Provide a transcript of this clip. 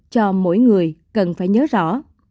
cho mỗi người cần phải nhớ rõ